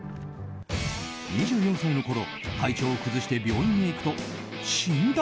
２４歳のころ、体調を崩して病院へ行くと診断